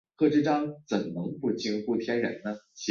条裂叶报春为报春花科报春花属下的一个种。